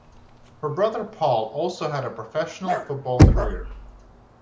Her brother Paul also had a professional football career.